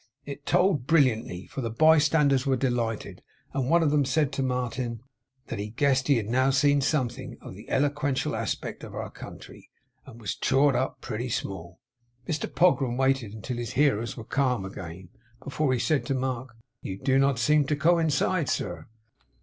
It told brilliantly; for the bystanders were delighted, and one of them said to Martin, 'that he guessed he had now seen something of the eloquential aspect of our country, and was chawed up pritty small.' Mr Pogram waited until his hearers were calm again, before he said to Mark: 'You do not seem to coincide, sir?